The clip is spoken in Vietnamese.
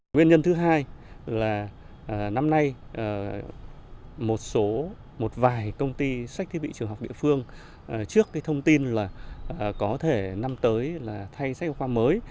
nguyên nhân thứ hai là năm nay một số một vài công ty sách thiết bị trường học địa phương trước thông tin là có thể năm tới là thay sách giáo khoa mới